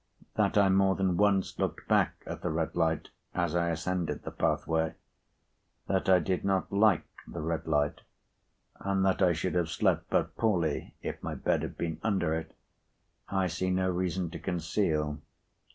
That I more than once looked back at the red light as I ascended the pathway, that I did not like the red light, and that I should have slept but poorly if my bed had been under it, I see no reason to conceal.